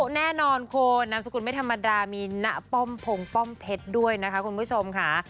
แน่นอนครัวนามสกุลเนื้อมีนะป้อมพลงป้อมเพชรด้วยนะชมค่ะ